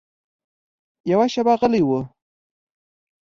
يوه شېبه غلی و.